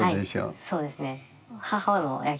はいそうですね。